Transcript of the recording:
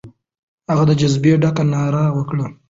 هغه د جذبې ډکه ناره وکړه.